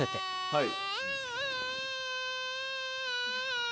はい。